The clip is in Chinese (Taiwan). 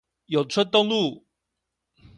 永春東路